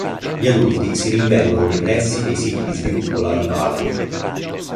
Gli adulti si rinvengono nei pressi dei siti di sviluppo larvale.